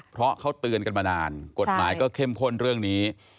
เพราะเขาเตือนกันมานานกฎหมายก็เข้มข้นเรื่องนี้